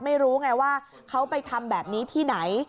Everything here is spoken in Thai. ไม่รู้ไงว่าเขาไปทำแบบนี้ที่ไหน